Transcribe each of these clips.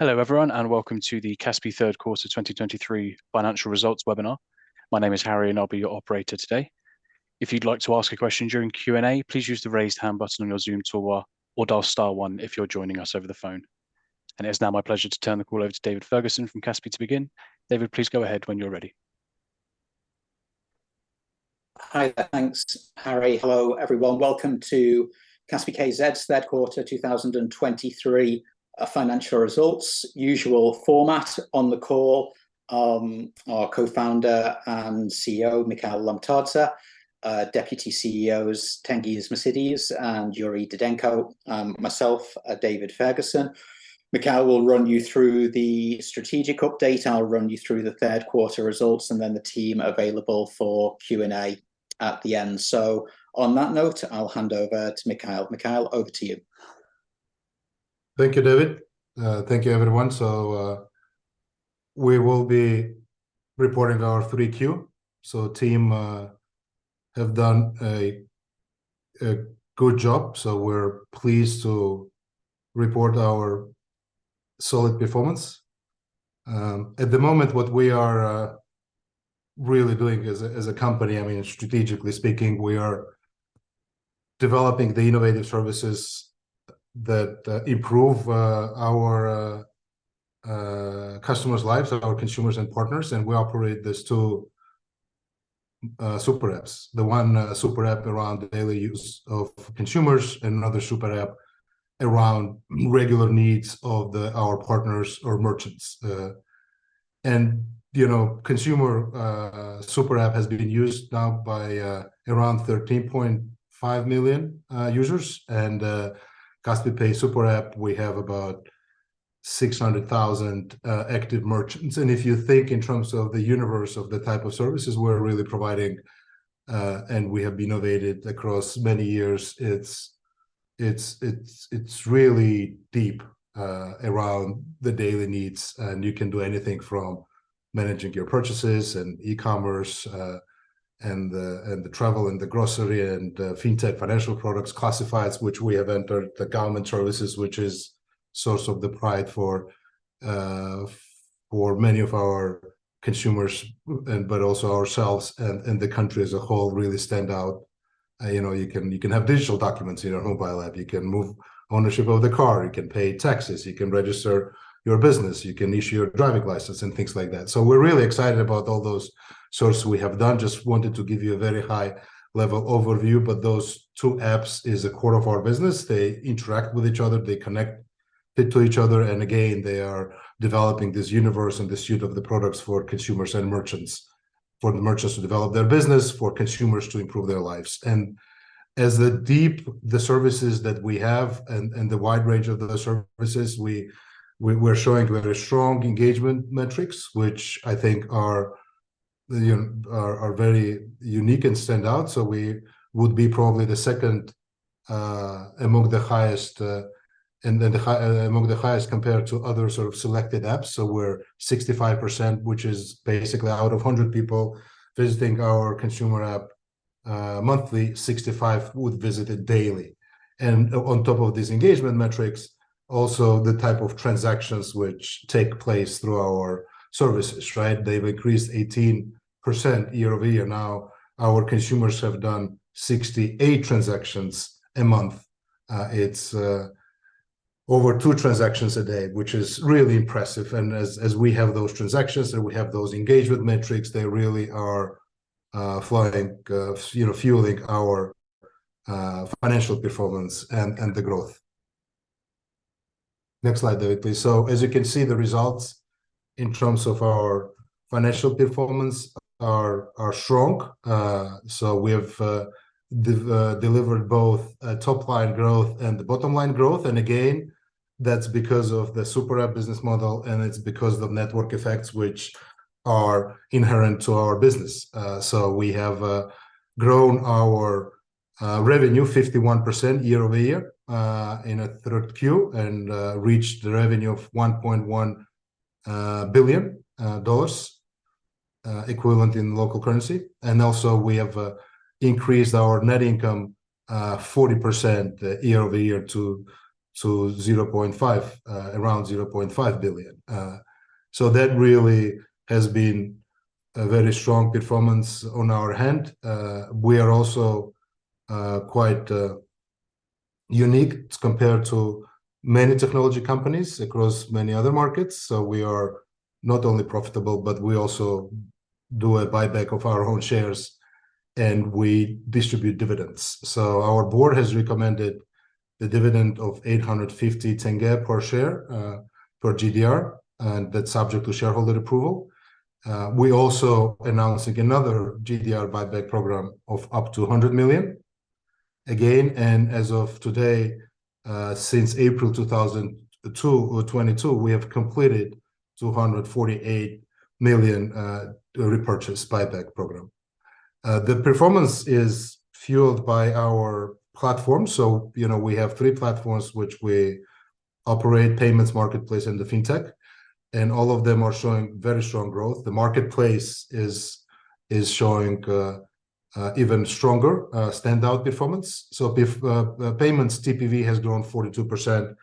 Hello, everyone, and welcome to the Kaspi third quarter 2023 financial results webinar. My name is Harry, and I'll be your operator today. If you'd like to ask a question during Q&A, please use the Raise Hand button on your Zoom toolbar, or dial star one if you're joining us over the phone. It's now my pleasure to turn the call over to David Ferguson from Kaspi to begin. David, please go ahead when you're ready. Hi, thanks, Harry. Hello, everyone. Welcome to Kaspi.kz's third quarter 2023 financial results. Usual format on the call, our Co-founder and CEO, Mikheil Lomtadze, Deputy CEOs, Tengiz Meskhi and Yuriy Didenko, myself, David Ferguson. Mikheil will run you through the strategic update. I'll run you through the third quarter results, and then the team available for Q&A at the end. So on that note, I'll hand over to Mikheil. Mikheil, over to you. Thank you, David. Thank you, everyone. We will be reporting our Q3. Team have done a good job, so we're pleased to report our solid performance. At the moment, what we are really doing as a company, I mean, strategically speaking, we are developing the innovative services that improve our customers' lives, our consumers and partners, and we operate these two super apps. The one super app around the daily use of consumers, and another super app around regular needs of our partners or merchants. You know, consumer super app has been used now by around 13.5 million users, and Kaspi Pay Super App, we have about 600,000 active merchants. If you think in terms of the universe of the type of services we're really providing, and we have innovated across many years, it's really deep around the daily needs. You can do anything from managing your purchases and e-Commerce, and the travel, and the grocery, and Fintech financial products, classifieds, which we have entered, the government services, which is source of the pride for many of our consumers, and but also ourselves and the country as a whole, really stand out. You know, you can have digital documents in our mobile app. You can move ownership of the car, you can pay taxes, you can register your business, you can issue your driving license, and things like that. We're really excited about all those sources we have done. Just wanted to give you a very high-level overview, but those two apps is the core of our business. They interact with each other, they connect it to each other, and again, they are developing this universe and the suite of the products for consumers and merchants. For the merchants to develop their business, for consumers to improve their lives. As the deep the services that we have and the wide range of the services, we're showing very strong engagement metrics, which I think are, you know, very unique and stand out. So we would be probably the second among the highest compared to other sort of selected apps. So we're 65%, which is basically out of 100 people visiting our consumer app monthly, 65 would visit it daily. On top of these engagement metrics, also the type of transactions which take place through our services, right? They've increased 18% year-over-year. Now, our consumers have done 68 transactions a month. It's over two transactions a day, which is really impressive, and as we have those transactions, and we have those engagement metrics, they really are flowing, you know, fueling our financial performance and the growth. Next slide, David, please. So as you can see, the results in terms of our financial performance are strong. So we have delivered both top-line growth and bottom-line growth, and again, that's because of the Super App business model, and it's because of network effects, which are inherent to our business. So we have grown our revenue 51% year-over-year in Q3, and reached the revenue of 1.1 billion dollars equivalent in local currency. Also, we have increased our net income 40% year-over-year to around 0.5 billion. So that really has been a very strong performance on our part. We are also quite unique compared to many technology companies across many other markets. So we are not only profitable, but we also do a buyback of our own shares, and we distribute dividends. So our board has recommended the dividend of 850 tenge per share, per GDR, and that's subject to shareholder approval. We're also announcing another GDR buyback program of up to $100 million. Again, and as of today, since April 2022, we have completed $248 million repurchase buyback program. The performance is fueled by our platform. So, you know, we have three platforms which we operate: Payments, marketplace, and the Fintech, and all of them are showing very strong growth. The Marketplace is showing even stronger standout performance. So, Payments TPV has grown 42%,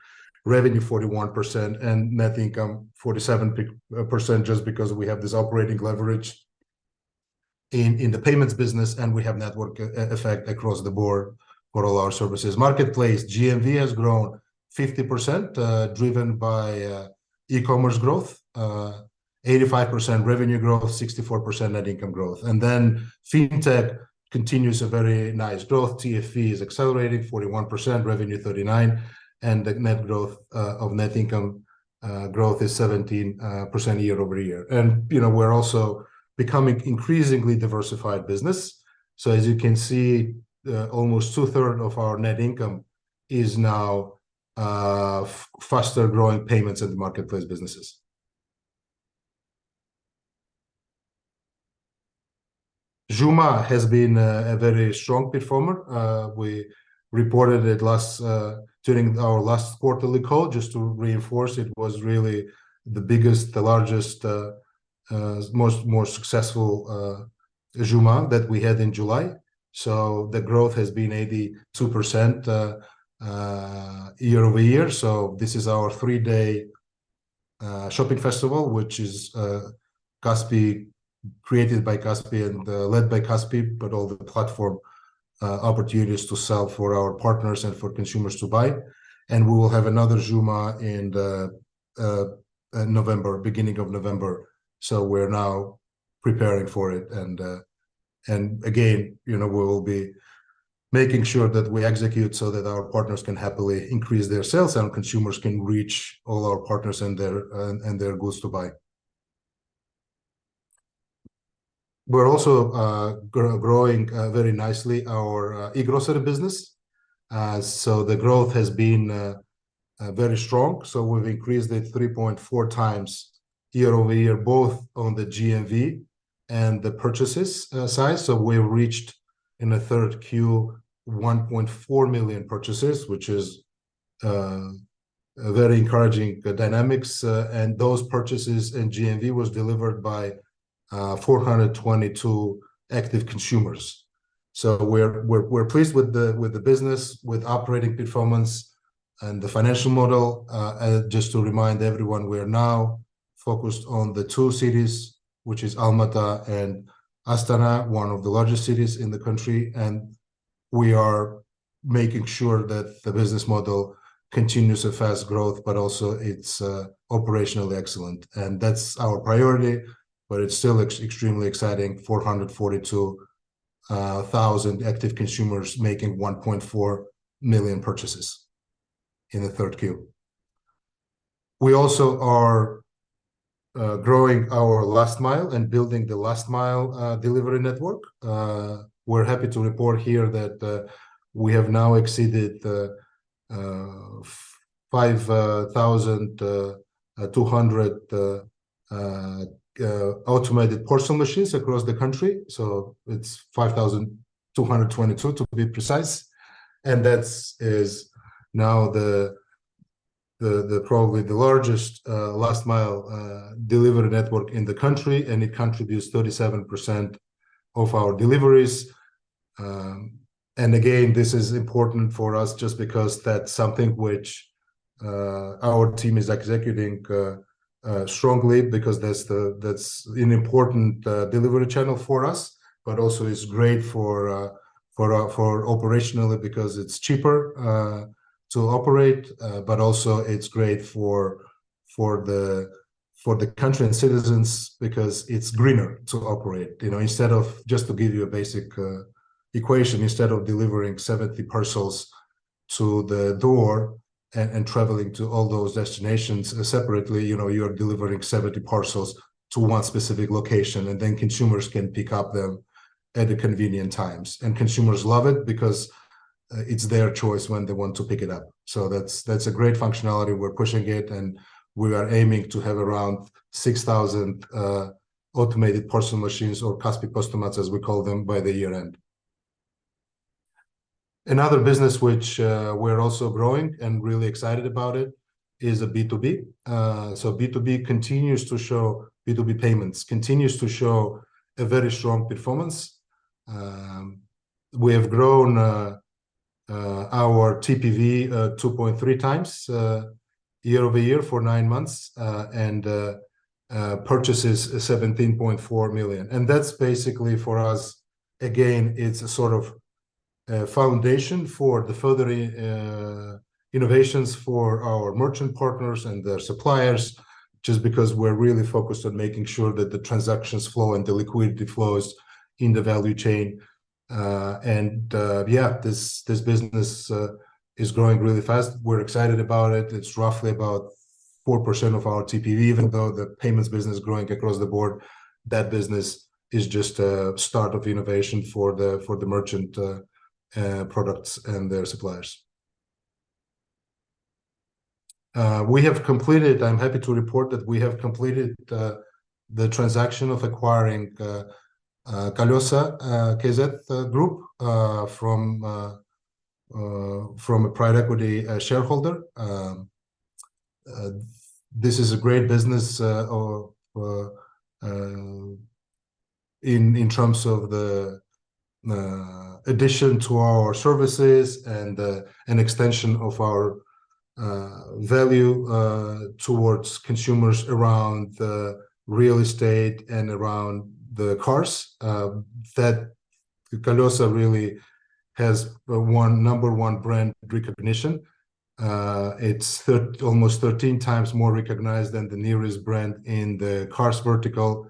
revenue 41%, and net income 47% just because we have this operating leverage in the Payments business, and we have network effect across the board for all our services. Marketplace GMV has grown 50%, driven by e-Commerce growth, 85% revenue growth, 64% net income growth. Then Fintech continues a very nice growth. TFV is accelerating 41%, revenue 39%, and the net growth of net income growth is 17% year-over-year. You know, we're also becoming increasingly diversified business. So as you can see, almost 2/3 of our net income is now faster growing Payments and the Marketplace businesses. Juma has been a very strong performer. We reported it last during our last quarterly call, just to reinforce, it was really the biggest, the largest, more successful Juma that we had in July. So the growth has been 82% year-over-year. So this is our three-day shopping festival, which is created by Kaspi and led by Kaspi, but all the platform opportunities to sell for our partners and for consumers to buy. We will have another Juma in the November, beginning of November, so we're now preparing for it. Again, you know, we will be making sure that we execute so that our partners can happily increase their sales, and consumers can reach all our partners and their goods to buy. We're also growing very nicely our e-Grocery business. So the growth has been very strong. So we've increased it 3.4x year-over-year, both on the GMV and the purchases side. So we've reached, in the third Q, 1.4 million purchases, which is a very encouraging dynamics, and those purchases and GMV was delivered by 422 active consumers. So we're pleased with the business, with operating performance and the financial model. Just to remind everyone, we are now focused on the two cities, which is Almaty and Astana, one of the largest cities in the country, and we are making sure that the business model continues a fast growth, but also it's operationally excellent, and that's our priority, but it's still extremely exciting, 442,000 active consumers making 1.4 million purchases in the third Q. We also are growing our last mile and building the last mile delivery network. We're happy to report here that we have now exceeded 5,200 automated parcel machines across the country, so it's 5,222, to be precise and that is now the probably the largest last mile delivery network in the country, and it contributes 37% of our deliveries. Again, this is important for us just because that's something which our team is executing strongly because that's the-- that's an important delivery channel for us, but also it's great for operationally because it's cheaper to operate, but also it's great for the country and citizens because it's greener to operate. You know, instead of... Just to give you a basic equation, instead of delivering 70 parcels to the door and traveling to all those destinations separately, you know, you're delivering 70 parcels to one specific location, and then consumers can pick up them at the convenient times. Consumers love it because it's their choice when they want to pick it up. So that's a great functionality. We're pushing it, and we are aiming to have around 6,000 automated parcel machines, or Kaspi Postomats, as we call them, by year end. Another business which we're also growing and really excited about it is a B2B. So B2B Payments continues to show a very strong performance. We have grown our TPV 2.3x year-over-year for nine months, and purchases 17.4 million. That's basically, for us, again, it's a sort of a foundation for the further innovations for our merchant partners and their suppliers, just because we're really focused on making sure that the transactions flow and the liquidity flows in the value chain and yeah, this business is growing really fast. We're excited about it. It's roughly about 4% of our TPV, even though the Payments business is growing across the board, that business is just a start of innovation for the merchant products and their suppliers. I'm happy to report that we have completed the transaction of acquiring Kolesa Group from a private equity shareholder. This is a great business in terms of the addition to our services and an extension of our value towards consumers around the real estate and around the cars. That Kolesa really has number one brand recognition. It's almost 13x more recognized than the nearest brand in the cars vertical,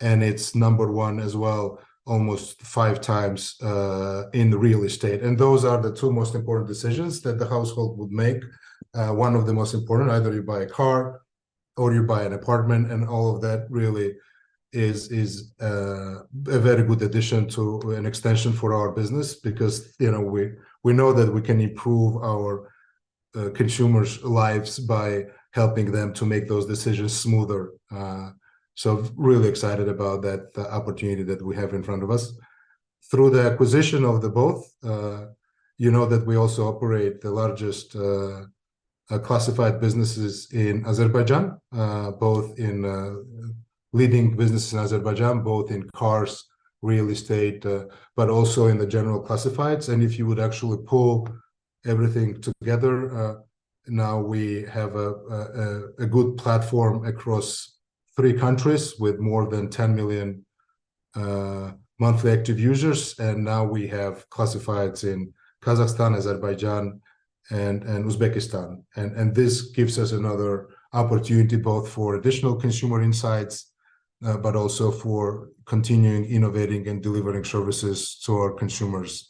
and it's number one as well, almost 5x, in the real estate. Those are the two most important decisions that the household would make. One of the most important, either you buy a car or you buy an apartment, and all of that really is a very good addition to, and extension for our business because, you know, we know that we can improve our consumers' lives by helping them to make those decisions smoother. So really excited about that, the opportunity that we have in front of us. Through the acquisition of the both, you know, that we also operate the largest classified businesses in Azerbaijan, both in leading businesses in Azerbaijan, both in cars, real estate, but also in the general classifieds and if you would actually pull everything together, now we have a good platform across three countries with more than 10 million monthly active users, and now we have classifieds in Kazakhstan, Azerbaijan, and Uzbekistan. This gives us another opportunity both for additional consumer insights, but also for continuing innovating and delivering services to our consumers,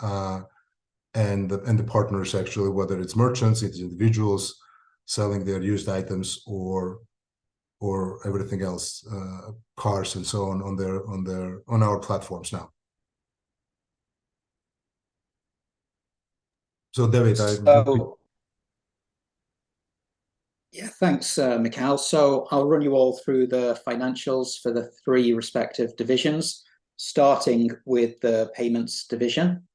and the partners actually, whether it's merchants, it's individuals selling their used items or everything else, cars and so on our platforms now. So David, I- So, yeah, thanks, Mikheil. So I'll run you all through the financials for the three respective divisions, starting with the Payments division.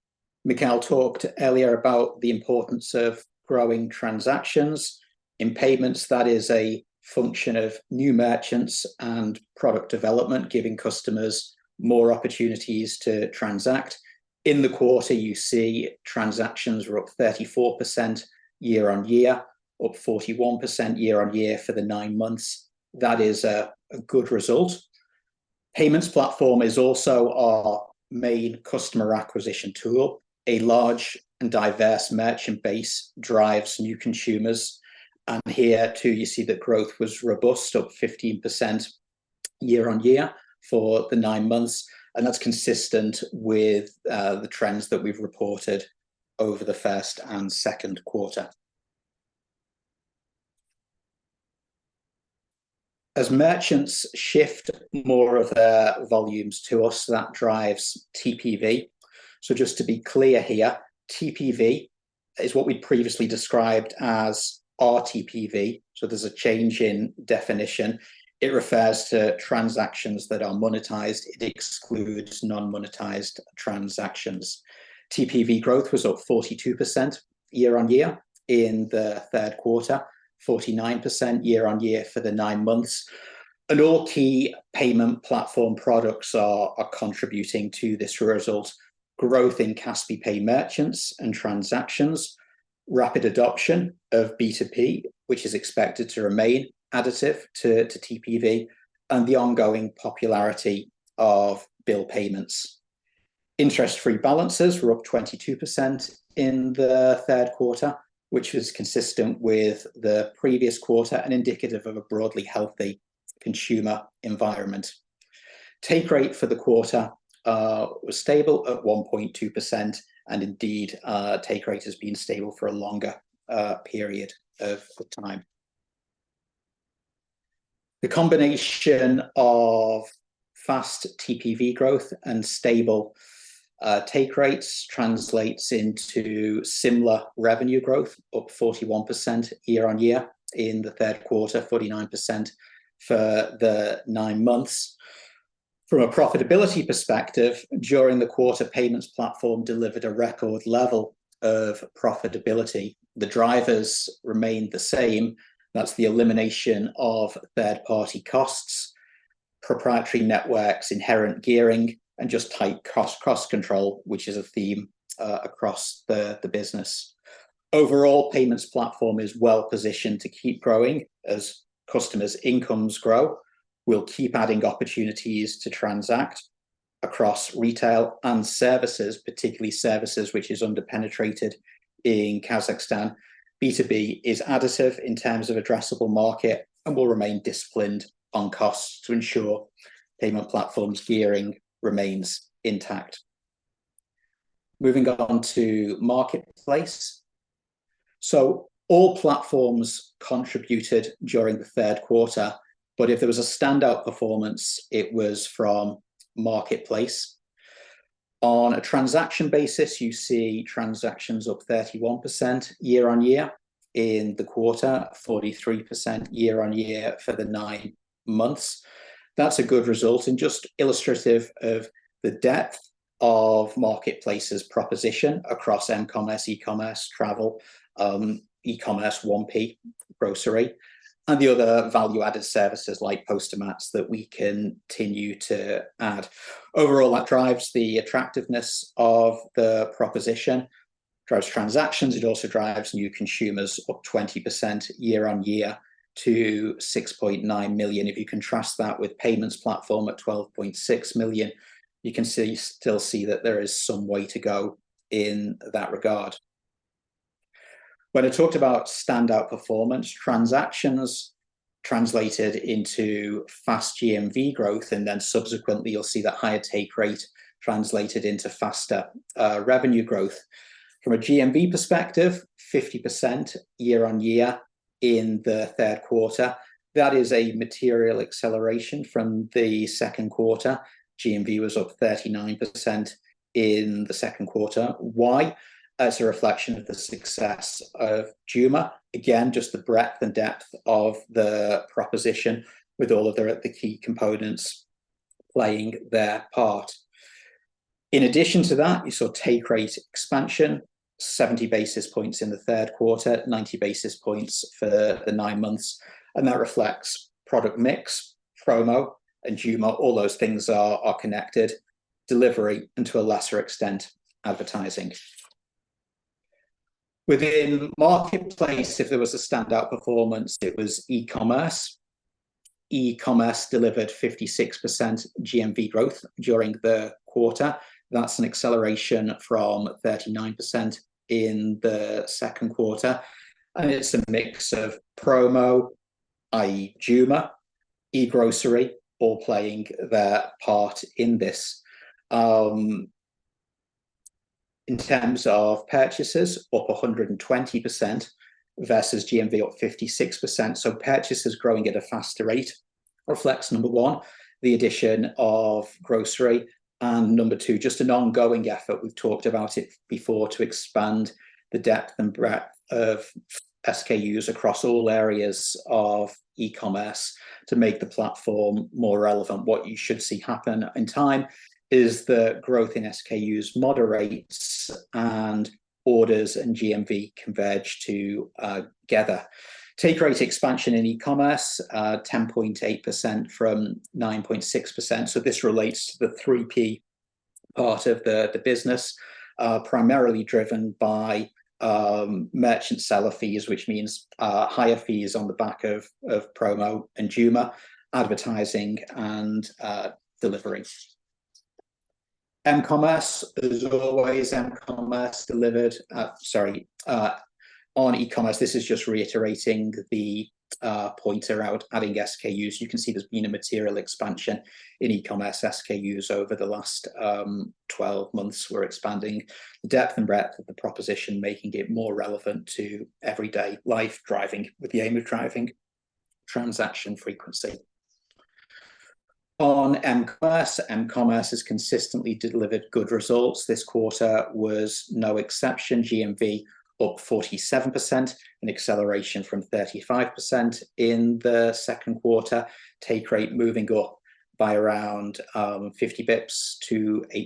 Mikheil talked earlier about the importance of growing transactions. In Payments, that is a function of new merchants and product development, giving customers more opportunities to transact. In the quarter, you see transactions were up 34% year-on-year, up 41% year-on-year for the nine months. That is a good result. Payments platform is also our main customer acquisition tool. A large and diverse merchant base drives new consumers, and here, too, you see that growth was robust, up 15% year-on-year for the nine months, and that's consistent with the trends that we've reported over the first and second quarter. As merchants shift more of their volumes to us, that drives TPV. So just to be clear here, TPV is what we'd previously described as RTPV, so there's a change in definition. It refers to transactions that are monetized. It excludes non-monetized transactions. TPV growth was up 42% year-on-year in the third quarter, 49% year-on-year for the nine months, and all key payment platform products are contributing to this result. Growth in Kaspi Pay merchants and transactions, rapid adoption of B2B, which is expected to remain additive to TPV, and the ongoing popularity of bill Payments. Interest-free balances were up 22% in the third quarter, which is consistent with the previous quarter and indicative of a broadly healthy consumer environment. Take rate for the quarter was stable at 1.2%, and indeed take rate has been stable for a longer period of time. The combination of fast TPV growth and stable take rates translates into similar revenue growth, up 41% year-on-year in the third quarter, 49% for the nine months. From a profitability perspective, during the quarter, Payments platform delivered a record level of profitability. The drivers remained the same. That's the elimination of third-party costs, proprietary networks, inherent gearing, and just tight cost control, which is a theme across the business. Overall, Payments platform is well positioned to keep growing as customers' incomes grow. We'll keep adding opportunities to transact across retail and services, particularly services, which is under-penetrated in Kazakhstan. B2B is additive in terms of addressable market and will remain disciplined on costs to ensure payment platform's gearing remains intact. Moving on to Marketplace. So all platforms contributed during the third quarter, but if there was a standout performance, it was from Marketplace. On a transaction basis, you see transactions up 31% year-on-year in the quarter, 43% year-on-year for the nine months. That's a good result, and just illustrative of the depth of Marketplace's proposition across m-Commerce, e-Commerce, travel, e-Commerce, 1P, grocery, and the other value-added services like Kaspi Postomats that we continue to add. Overall, that drives the attractiveness of the proposition, drives transactions, it also drives new consumers up 20% year-on-year to 6.9 million. If you contrast that with Payments platform at 12.6 million, you can see, still see that there is some way to go in that regard. When I talked about standout performance, transactions translated into fast GMV growth, and then subsequently you'll see the higher take rate translated into faster, revenue growth. From a GMV perspective, 50% year-on-year in the third quarter. That is a material acceleration from the second quarter. GMV was up 39% in the second quarter. Why? As a reflection of the success of Juma. Again, just the breadth and depth of the proposition with all of the key components playing their part. In addition to that, you saw take rate expansion, 70 basis points in the third quarter, 90 basis points for the nine months, and that reflects product mix, promo, and Juma, all those things are connected, delivery, and to a lesser extent, advertising. Within Marketplace, if there was a standout performance, it was e-Commerce. e-Commerce delivered 56% GMV growth during the quarter. That's an acceleration from 39% in the second quarter, and it's a mix of promo, i.e. Juma, e-Grocery, all playing their part in this. In terms of purchases, up 120% versus GMV up 56%, so purchases growing at a faster rate reflects, number one, the addition of grocery, and number two, just an ongoing effort. We've talked about it before, to expand the depth and breadth of SKUs across all areas of e-Commerce to make the platform more relevant. What you should see happen in time is the growth in SKUs moderates, and orders and GMV converge together. Take rate expansion in e-Commerce, 10.8% from 9.6%, so this relates to the 3P part of the business, primarily driven by merchant seller fees, which means higher fees on the back of promo and Juma, advertising, and delivery. m-Commerce, as always, m-Commerce delivered... Sorry, on e-Commerce, this is just reiterating the point around adding SKUs. You can see there's been a material expansion in e-Commerce SKUs over the last 12 months. We're expanding the depth and breadth of the proposition, making it more relevant to everyday life, driving- with the aim of driving transaction frequency. On m-Commerce, m-Commerce has consistently delivered good results. This quarter was no exception, GMV up 47%, an acceleration from 35% in the second quarter. Take rate moving up by around 50 basis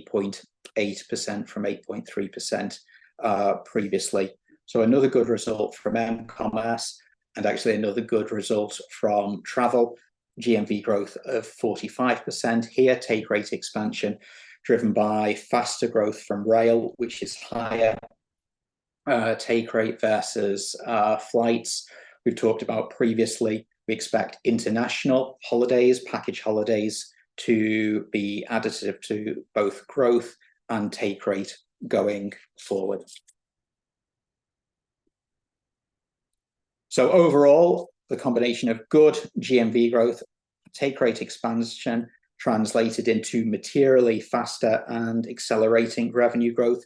points to 8.8% from 8.3%, previously. So another good result from m-Commerce, and actually another good result from travel. GMV growth of 45%. Here, take rate expansion driven by faster growth from rail, which is higher take rate versus flights. We've talked about previously, we expect international holidays, package holidays, to be additive to both growth and take rate going forward. So overall, the combination of good GMV growth, take rate expansion, translated into materially faster and accelerating revenue growth,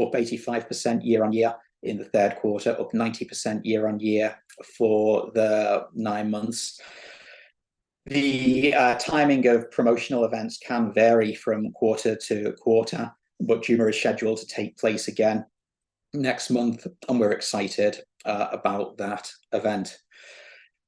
up 85% year-on-year in the third quarter, up 90% year-on-year for the nine months. The timing of promotional events can vary from quarter-to-quarter, but Juma is scheduled to take place again next month, and we're excited about that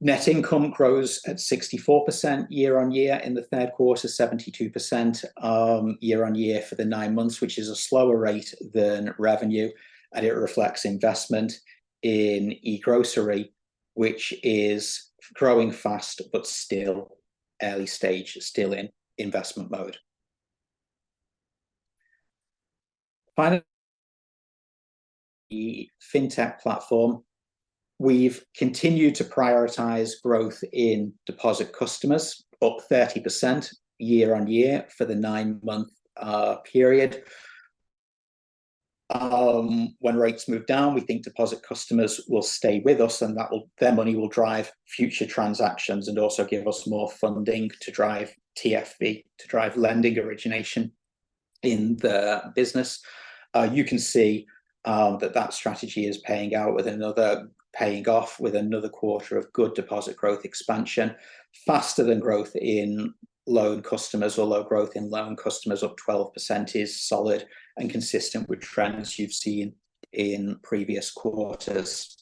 event. Net income grows at 64% year-on-year in the third quarter, 72% year-on-year for the nine months, which is a slower rate than revenue, and it reflects investment in e-Grocery, which is growing fast, but still early stage, still in investment mode. Finally, the Fintech platform, we've continued to prioritize growth in deposit customers, up 30% year-on-year for the nine-month period. When rates move down, we think deposit customers will stay with us, and their money will drive future transactions and also give us more funding to drive TFV, to drive lending origination in the business. You can see that strategy is paying off with another quarter of good deposit growth expansion, faster than growth in loan customers, although growth in loan customers of 12% is solid and consistent with trends you've seen in previous quarters.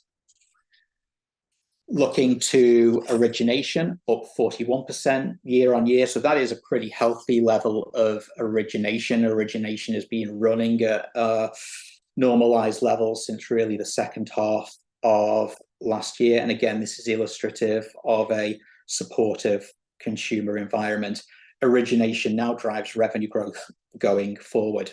Looking to origination, up 41% year-on-year, so that is a pretty healthy level of origination. Origination has been running at normalized levels since really the second half of last year, and again, this is illustrative of a supportive consumer environment. Origination now drives revenue growth going forward.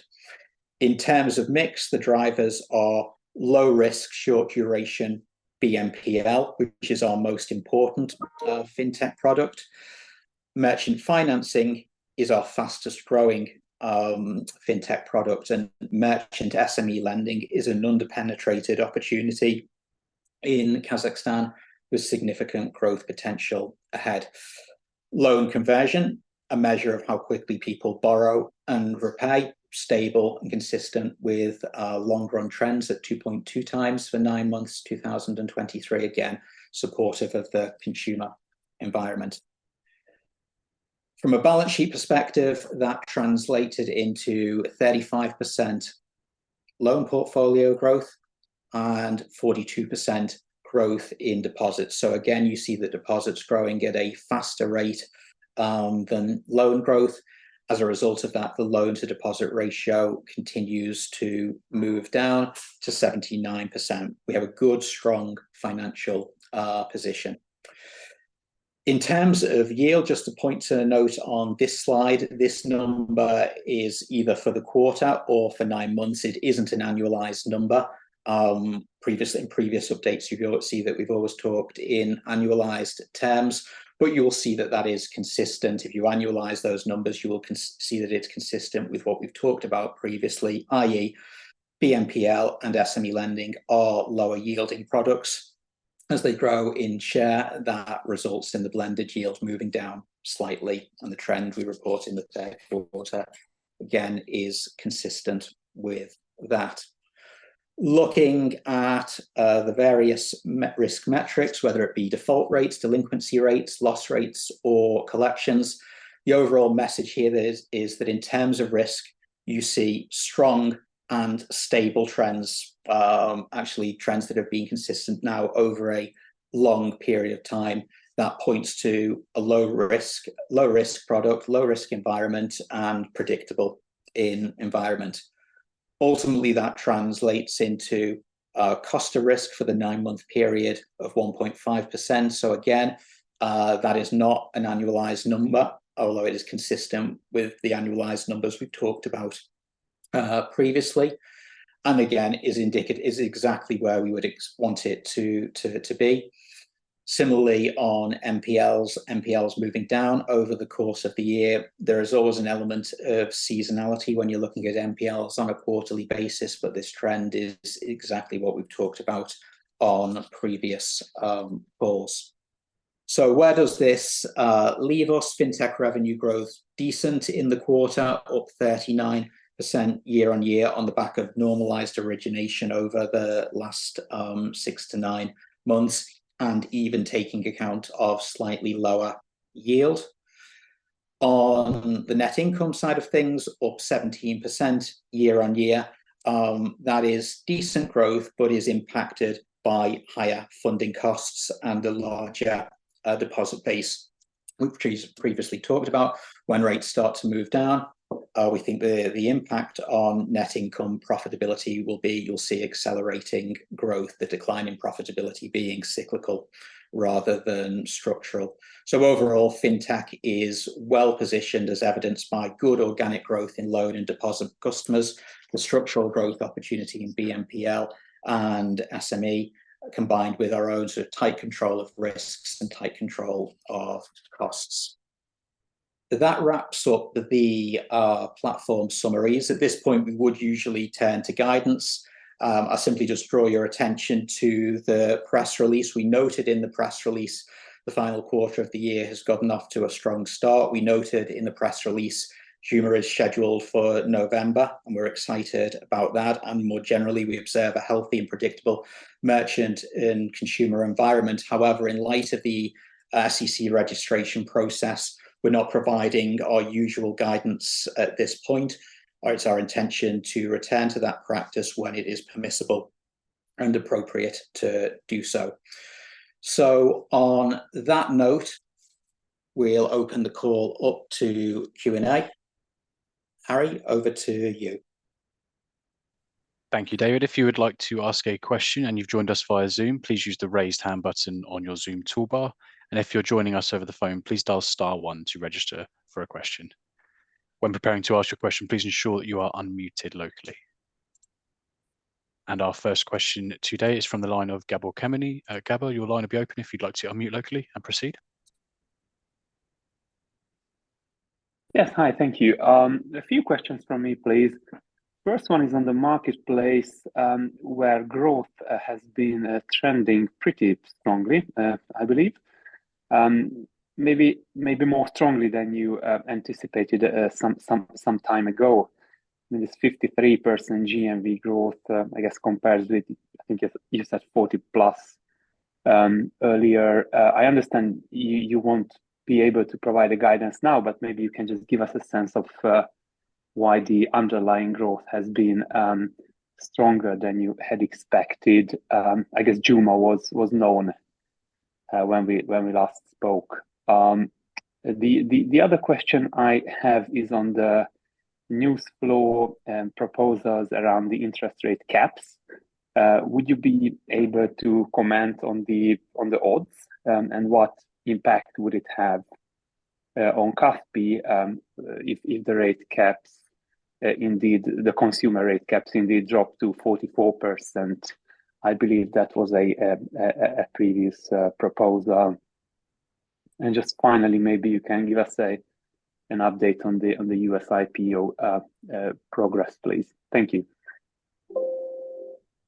In terms of mix, the drivers are low risk, short duration BNPL, which is our most important Fintech product. Merchant financing is our fastest growing Fintech product, and merchant SME lending is an under-penetrated opportunity in Kazakhstan, with significant growth potential ahead. Loan conversion, a measure of how quickly people borrow and repay, stable and consistent with long-run trends at 2.2x for nine months, 2023. Again, supportive of the consumer environment. From a balance sheet perspective, that translated into 35% loan portfolio growth and 42% growth in deposits. So again, you see the deposits growing at a faster rate than loan growth. As a result of that, the loan-to-deposit ratio continues to move down to 79%. We have a good, strong financial position. In terms of yield, just a point to note on this slide, this number is either for the quarter or for nine months. It isn't an annualized number. In previous updates, you'll see that we've always talked in annualized terms, but you'll see that that is consistent. If you annualize those numbers, you will see that it's consistent with what we've talked about previously, i.e., BNPL and SME lending are lower-yielding products. As they grow in share, that results in the blended yield moving down slightly, and the trend we report in the third quarter, again, is consistent with that. Looking at the various risk metrics, whether it be default rates, delinquency rates, loss rates, or collections, the overall message here is that in terms of risk, you see strong and stable trends. Actually, trends that have been consistent now over a long period of time. That points to a low risk, low risk product, low risk environment, and predictable end environment. Ultimately, that translates into a cost of risk for the nine-month period of 1.5%. So again, that is not an annualized number, although it is consistent with the annualized numbers we've talked about previously, and again, is exactly where we would want it to be. Similarly, on NPLs, NPLs moving down over the course of the year. There is always an element of seasonality when you're looking at NPLs on a quarterly basis, but this trend is exactly what we've talked about on previous calls. So where does this leave us? Fintech revenue growth, decent in the quarter, up 39% year-on-year on the back of normalised origination over the last 6-9 months, and even taking account of slightly lower yield. On the net income side of things, up 17% year-on-year. That is decent growth, but is impacted by higher funding costs and a larger deposit base, which we've previously talked about. When rates start to move down, we think the impact on net income profitability will be you'll see accelerating growth, the decline in profitability being cyclical rather than structural. So overall, Fintech is well-positioned, as evidenced by good organic growth in loan and deposit customers, the structural growth opportunity in BNPL, and SME, combined with our own sort of tight control of risks and tight control of costs. That wraps up the platform summaries. At this point, we would usually turn to guidance. I simply just draw your attention to the press release. We noted in the press release the final quarter of the year has gotten off to a strong start. We noted in the press release Juma is scheduled for November, and we're excited about that, and more generally, we observe a healthy and predictable merchant and consumer environment. However, in light of the SEC registration process, we're not providing our usual guidance at this point. It's our intention to return to that practice when it is permissible and appropriate to do so. On that note, we'll open the call up to Q&A. Harry, over to you. Thank you, David. If you would like to ask a question and you've joined us via Zoom, please use the Raise Hand button on your Zoom toolbar, and if you're joining us over the phone, please dial star one to register for a question. When preparing to ask your question, please ensure that you are unmuted locally. Our first question today is from the line of Gabor Kemeny. Gabor, your line will be open if you'd like to unmute locally and proceed. Yes. Hi, thank you. A few questions from me, please. First one is on the Marketplace, where growth has been trending pretty strongly, I believe. Maybe, maybe more strongly than you anticipated some time ago. This 53% GMV growth, I guess compares with, I think you said 40+ earlier. I understand you won't be able to provide the guidance now, but maybe you can just give us a sense of why the underlying growth has been stronger than you had expected. I guess Juma was known when we last spoke. The other question I have is on the news flow and proposals around the interest rate caps. Would you be able to comment on the odds and what impact would it have on Kaspi if the rate caps indeed, the consumer rate caps indeed drop to 44%? I believe that was a previous proposal. Just finally, maybe you can give us an update on the US IPO progress, please. Thank you.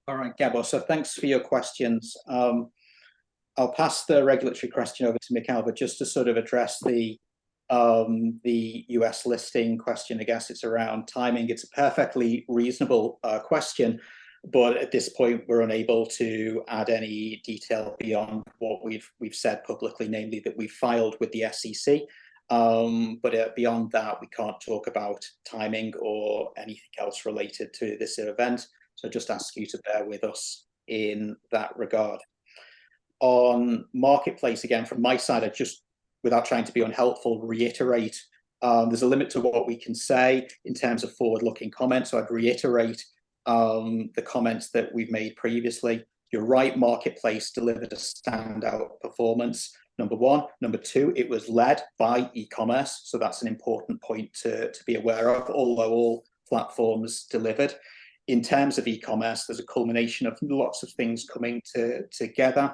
All right, Gabor, so thanks for your questions. I'll pass the regulatory question over to Mikheil, but just to sort of address the U.S. listing question, I guess it's around timing. It's a perfectly reasonable question, but at this point, we're unable to add any detail beyond what we've said publicly, namely, that we've filed with the SEC. But beyond that, we can't talk about timing or anything else related to this event, so just ask you to bear with us in that regard. On Marketplace, again, from my side, I'd just, without trying to be unhelpful, reiterate, there's a limit to what we can say in terms of forward-looking comments. So I'd reiterate the comments that we've made previously. You're right, Marketplace delivered a standout performance, number one. Number two, it was led by e-Commerce, so that's an important point to be aware of, although all platforms delivered. In terms of e-Commerce, there's a culmination of lots of things coming together.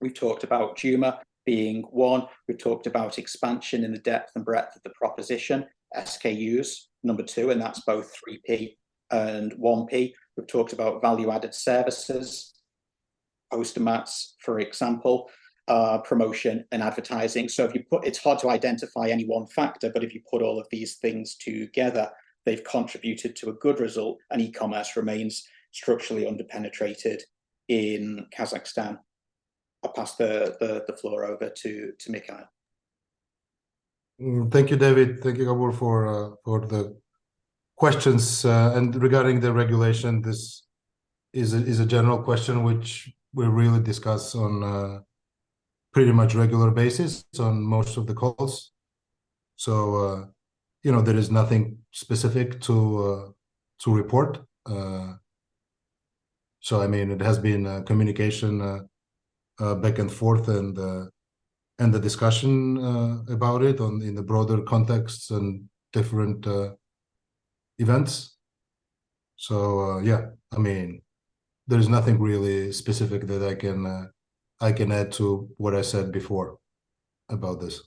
We talked about Juma being one. We talked about expansion in the depth and breadth of the proposition. SKUs, number two, and that's both 3P and 1P. We've talked about value-added services, Postomats, for example, promotion and advertising. So if you put all of these things together, it's hard to identify any one factor, but they've contributed to a good result, and e-Commerce remains structurally underpenetrated in Kazakhstan. I'll pass the floor over to Mikheil. Thank you, David. Thank you, Gabor, for the questions and regarding the regulation, this is a general question which we really discuss on a pretty much regular basis on most of the calls. So, you know, there is nothing specific to report. So, I mean, it has been a communication back and forth, and the discussion about it on, in the broader context and different events. So, yeah, I mean, there's nothing really specific that I can add to what I said before about this.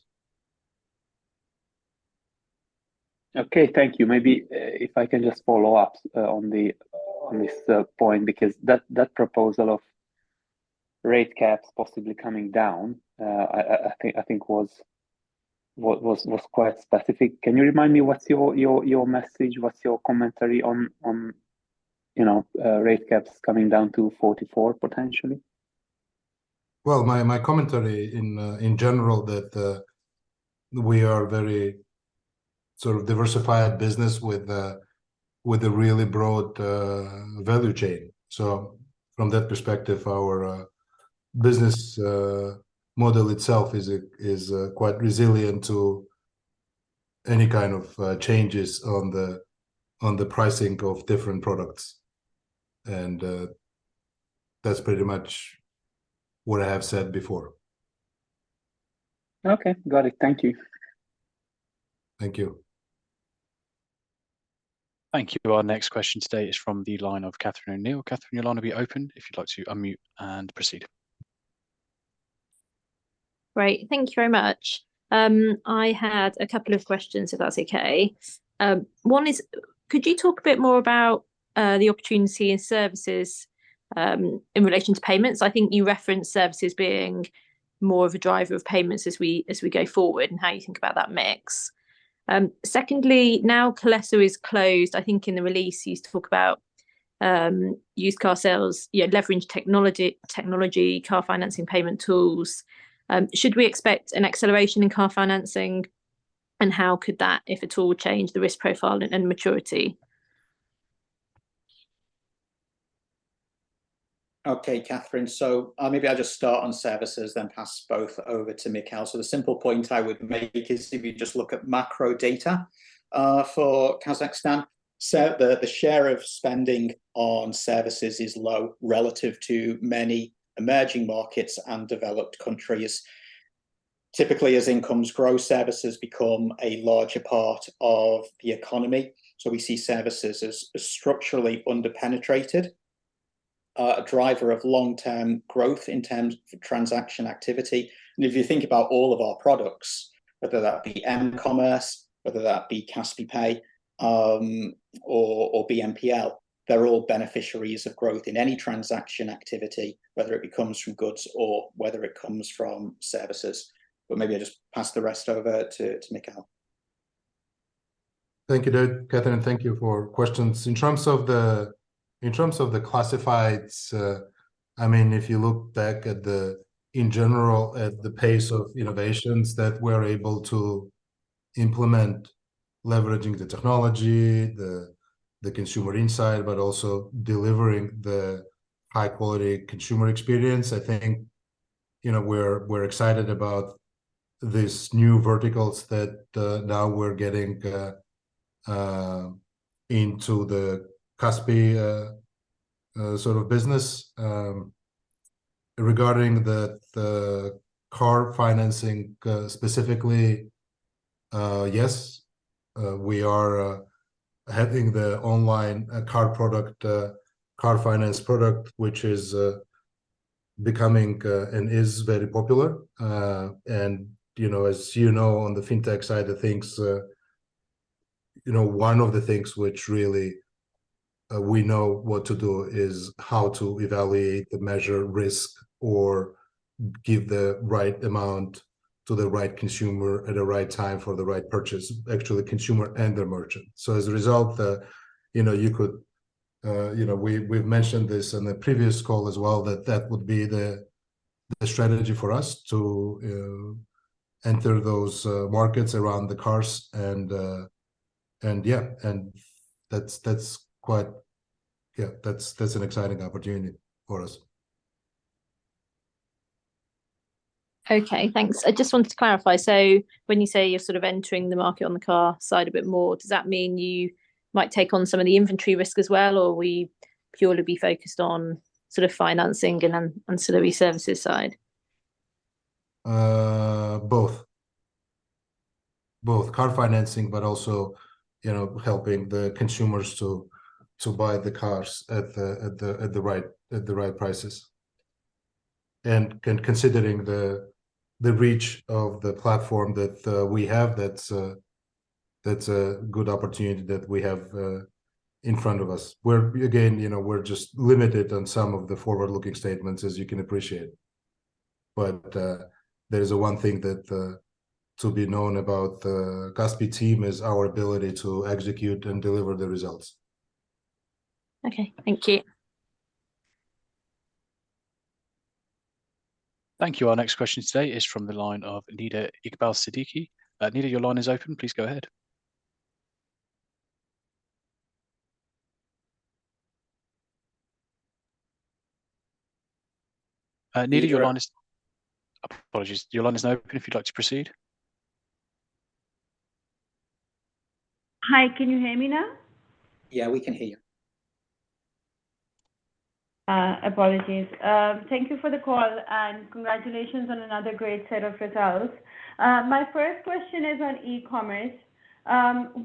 Okay, thank you. Maybe, if I can just follow up, on this point, because that proposal of rate caps possibly coming down, I think was quite specific. Can you remind me, what's your message? What's your commentary on you know, rate caps coming down to 44, potentially? Well, my commentary in general, that we are very sort of diversified business with a really broad value chain. So from that perspective, our business model itself is quite resilient to any kind of changes on the pricing of different products and that's pretty much what I have said before. Okay. Got it. Thank you. Thank you. Thank you. Our next question today is from the line of Catherine O'Neill. Catherine, your line will be opened if you'd like to unmute and proceed. Great, thank you very much. I had a couple of questions, if that's okay. One is, could you talk a bit more about the opportunity in services in relation to Payments? I think you referenced services being more of a driver of Payments as we go forward, and how you think about that mix. Secondly, now Kolesa is closed, I think in the release you used to talk about used car sales, you know, leverage technology, car financing, payment tools. Should we expect an acceleration in car financing, and how could that, if at all, change the risk profile and maturity? Okay, Catherine, so maybe I'll just start on services, then pass both over to Mikheil. So the simple point I would make is if you just look at macro data for Kazakhstan, so the share of spending on services is low relative to many emerging markets and developed countries. Typically, as incomes grow, services become a larger part of the economy, so we see services as structurally underpenetrated, a driver of long-term growth in terms of transaction activity and if you think about all of our products, whether that be m-Commerce, whether that be Kaspi Pay, or BNPL, they're all beneficiaries of growth in any transaction activity, whether it comes from goods or whether it comes from services. But maybe I'll just pass the rest over to Mikheil. Thank you, Catherine, thank you for questions. In terms of the, in terms of the classifieds, I mean, if you look back in general, at the pace of innovations that we're able to implement, leveraging the technology, the consumer insight, but also delivering the high quality consumer experience, I think, you know, we're excited about these new verticals that now we're getting into the Kaspi sort of business. Regarding the car financing, specifically, yes, we are having the online car product, car finance product, which is becoming and is very popular. As you know, on the Fintech side of things, you know, one of the things which really we know what to do is how to evaluate and measure risk, or give the right amount to the right consumer at the right time for the right purchase. Actually, consumer and the merchant. So as a result, you know, you could... You know, we've mentioned this in a previous call as well, that that would be the strategy for us to enter those markets around the cars and, and yeah, that's quite... Yeah, that's, that's an exciting opportunity for us. Okay, thanks. I just wanted to clarify, so when you say you're sort of entering the market on the car side a bit more, does that mean you might take on some of the inventory risk as well, or will you purely be focused on sort of financing and on sort of e-services side? Both. Both car financing, but also, you know, helping the consumers to buy the cars at the right prices. Considering the reach of the platform that we have, that's a good opportunity that we have in front of us. Again, you know, we're just limited on some of the forward-looking statements, as you can appreciate. But, there is one thing that to be known about the Kaspi team, is our ability to execute and deliver the results. Okay, thank you. Thank you. Our next question today is from the line of Nida Iqbal Siddiqui. Nida, your line is open. Please go ahead. Nida, your line is... Apologies. Your line is open if you'd like to proceed. Hi, can you hear me now? Yeah, we can hear you. Apologies. Thank you for the call, and congratulations on another great set of results. My first question is on e-Commerce.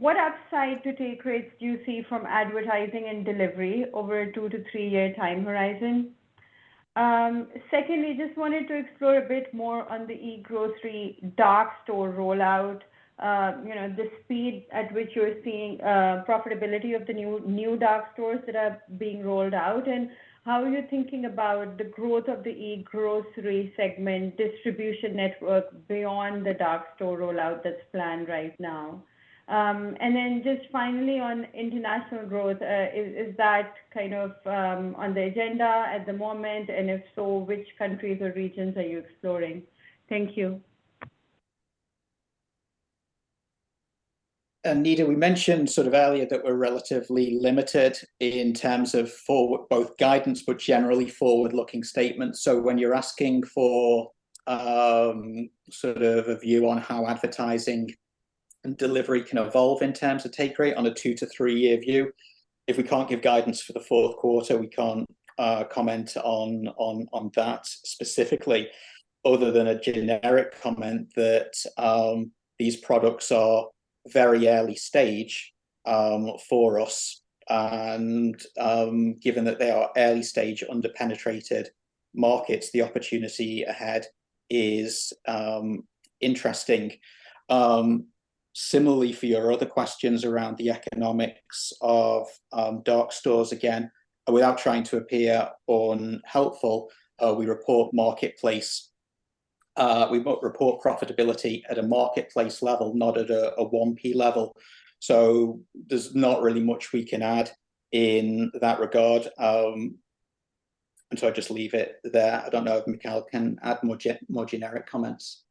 What upside to take rates do you see from advertising and delivery over a 2-3-year time horizon? Secondly, just wanted to explore a bit more on the e-Grocery dark store rollout. You know, the speed at which you're seeing profitability of the new, new dark stores that are being rolled out, and how are you thinking about the growth of the e-Grocery segment distribution network beyond the dark store rollout that's planned right now? Then just finally on international growth, is that kind of on the agenda at the moment? If so, which countries or regions are you exploring? Thank you. Nida, we mentioned sort of earlier that we're relatively limited in terms of forward, both guidance, but generally forward-looking statements. So when you're asking for, sort of a view on how advertising and delivery can evolve in terms of take rate on a 2-3-year view, if we can't give guidance for the fourth quarter, we can't comment on that specifically, other than a generic comment that, these products are very early stage, for us. Given that they are early stage, under-penetrated markets, the opportunity ahead is, interesting. Similarly, for your other questions around the economics of, dark stores, again, without trying to appear unhelpful, we report profitability at a Marketplace level, not at a 1P level, so there's not really much we can add in that regard and so I'd just leave it there. I don't know if Mikheil can add more generic comments.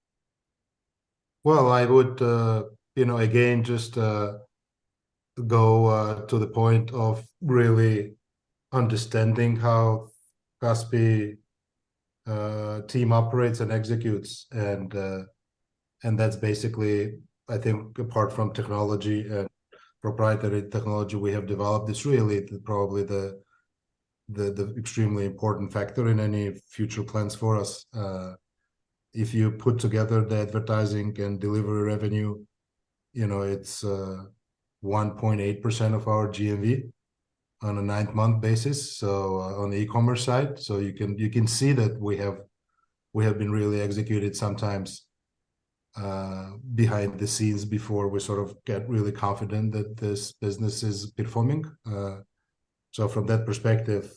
Well, I would, you know, again, just, go, to the point of really understanding how Kaspi team operates and executes, and that's basically, I think, apart from technology and proprietary technology we have developed, it's really probably the extremely important factor in any future plans for us. If you put together the advertising and delivery revenue, you know, it's, 1.8% of our GMV on a nine-month basis, so, on the e-Commerce side. So you can, you can see that we have, we have been really executed sometimes, behind the scenes before we sort of get really confident that this business is performing, so from that perspective,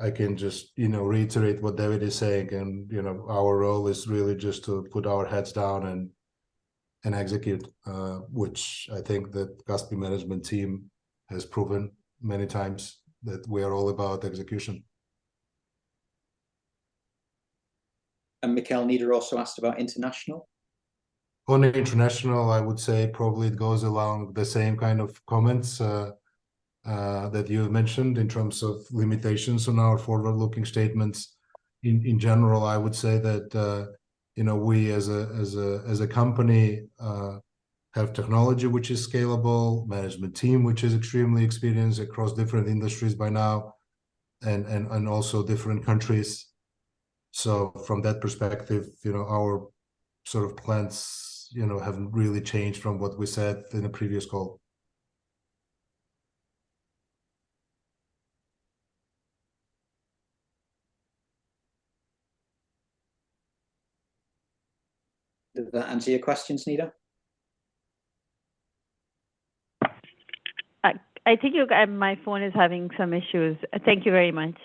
I can just, you know, reiterate what David is saying. You know, our role is really just to put our heads down and execute, which I think the Kaspi management team has proven many times that we are all about execution. Mikheil, Nida also asked about international? On international, I would say probably it goes along the same kind of comments that you have mentioned in terms of limitations on our forward-looking statements. In general, I would say that, you know, we as a company have technology which is scalable, management team which is extremely experienced across different industries by now, and also different countries. So from that perspective, you know, our sort of plans, you know, haven't really changed from what we said in the previous call. Does that answer your questions, Nida? My phone is having some issues. Thank you very much.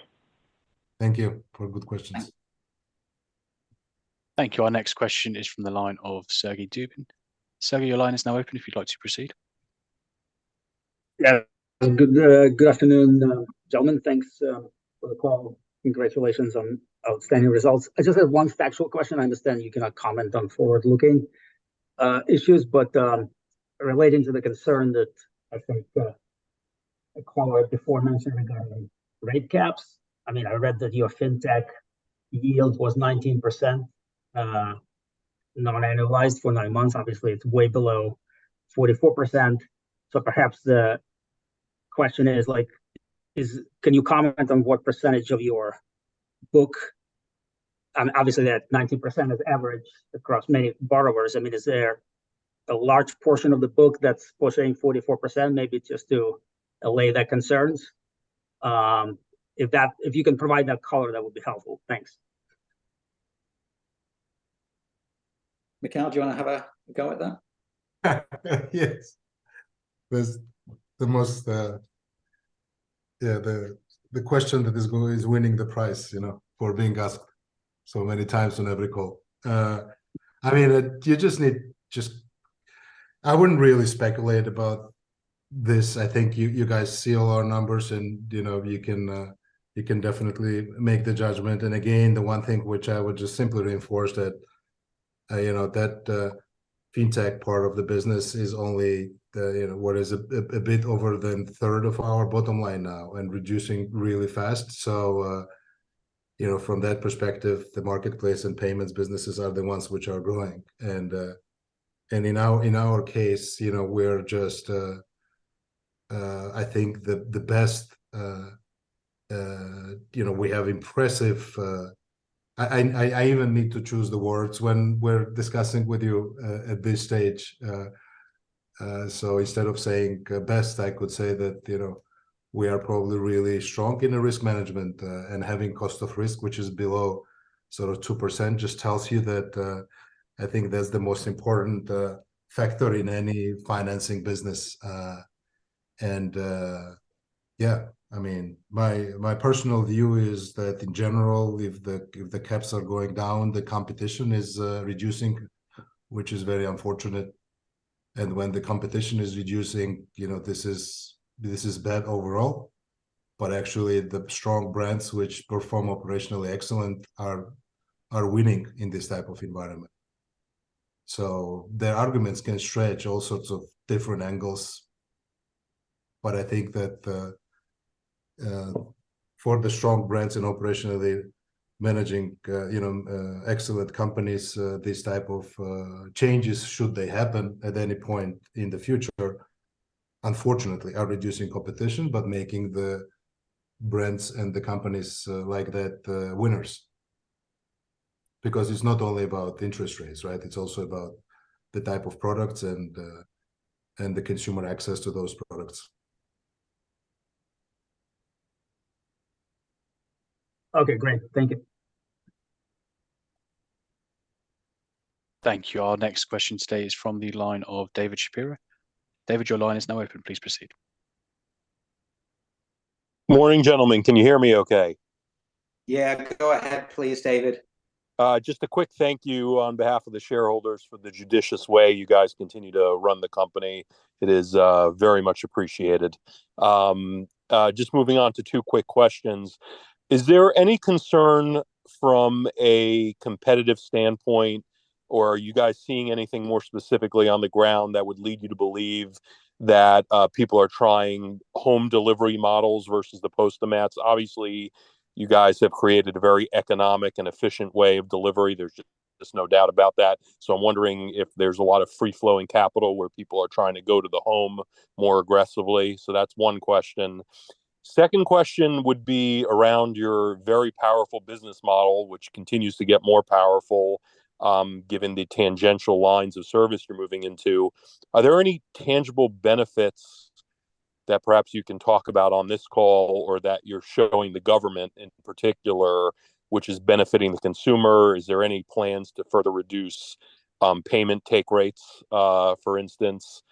Thank you for good questions. Thank you. Our next question is from the line of Sergey Dubin. Sergey, your line is now open if you'd like to proceed. Yeah. Good, good afternoon, gentlemen. Thanks, for the call. Congratulations on outstanding results. I just have one factual question. I understand you cannot comment on forward-looking issues, but relating to the concern that I think a caller before mentioned regarding rate caps. I mean, I read that your Fintech yield was 19%, non-annualized for nine months. Obviously, it's way below 44%. So perhaps the question is, like, is—can you comment on what percentage of your book, and obviously that 19% is average across many borrowers. I mean, is there a large portion of the book that's portraying 44%? Maybe just to allay their concerns. If you can provide that color, that would be helpful. Thanks. Mikheil, do you wanna have a go at that? Yes. That's the most... Yeah, the question that is winning the prize, you know, for being asked so many times on every call. I mean, you just need-- I wouldn't really speculate about this. I think you guys see all our numbers, and, you know, you can definitely make the judgment. Again, the one thing which I would just simply reinforce is that, you know, the Fintech part of the business is only, you know, a bit over a third of our bottom line now and reducing really fast. So, you know, from that perspective, the Marketplace and Payments businesses are the ones which are growing and in our case, you know, we're just, I think the best... You know, we have impressive. I even need to choose the words when we're discussing with you at this stage. So instead of saying best, I could say that, you know, we are probably really strong in the risk management and having cost of risk, which is below sort of 2%, just tells you that I think that's the most important factor in any financing business. Yeah, I mean, my personal view is that in general, if the caps are going down, the competition is reducing, which is very unfortunate, and when the competition is reducing, you know, this is bad overall. But actually the strong brands which perform operationally excellent are winning in this type of environment. The arguments can stretch all sorts of different angles, but I think that, for the strong brands and operationally managing, you know, excellent companies, this type of changes, should they happen at any point in the future, unfortunately, are reducing competition, but making the brands and the companies, like that, winners, because it's not only about interest rates, right? It's also about the type of products and, and the consumer access to those products. Okay, great. Thank you. Thank you. Our next question today is from the line of David Shapiro. David, your line is now open. Please proceed. Morning, gentlemen. Can you hear me okay? Yeah, go ahead please, David. Just a quick thank you on behalf of the shareholders for the judicious way you guys continue to run the company. It is very much appreciated. Just moving on to two quick questions. Is there any concern from a competitive standpoint, or are you guys seeing anything more specifically on the ground that would lead you to believe that people are trying home delivery models versus the Postomats? Obviously, you guys have created a very economic and efficient way of delivery. There's just no doubt about that. So I'm wondering if there's a lot of free-flowing capital where people are trying to go to the home more aggressively. So that's one question. Second question would be around your very powerful business model, which continues to get more powerful given the tangential lines of service you're moving into. Are there any tangible benefits that perhaps you can talk about on this call, or that you're showing the government in particular, which is benefiting the consumer? Is there any plans to further reduce payment take rates, for instance?